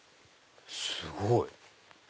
すごい！